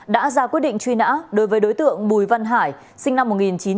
đã ra quyết định truy nã đối với đối tượng mùi văn hải sinh năm một nghìn chín trăm sáu mươi tám